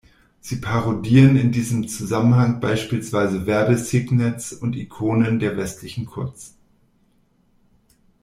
Sie parodieren in diesem Zusammenhang beispielsweise Werbe-Signets und Ikonen der westlichen Kunst.